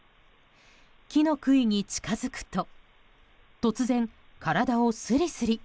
木の杭に近づくと突然、体をスリスリ。